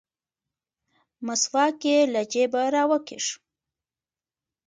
مسواک يې له جيبه راوکيښ.